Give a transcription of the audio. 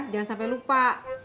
jangan sampai lupa